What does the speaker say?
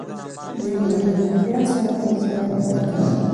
دی په ډېر احتیاط سره له ځایه پورته شو.